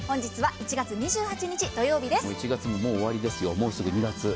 １月ももう終わりですよ、もうすぐ２月。